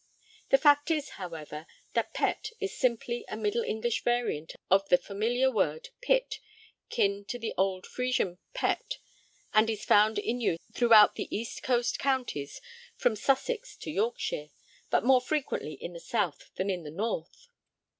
The fact is, however, that 'pet' is simply a Middle English variant of the familiar word 'pit,' kin to the old Frisian 'pet,' and is found in use throughout the east coast counties from Sussex to Yorkshire, but more frequently in the South than in the North.